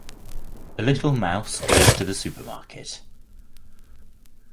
The little mouse goes to the supermarket.